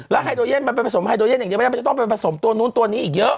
แล้วไฮโดยเย่นมันไปผสมไฮโดยเย่นอย่างนี้มันจะต้องไปผสมตัวนู้นตัวนี้อีกเยอะ